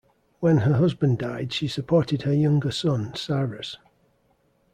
When her husband died, she supported her younger son Cyrus.